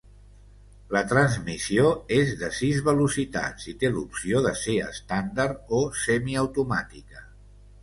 La transmissió és de sis velocitats i té l'opció de ser estàndard o semiautomàtica.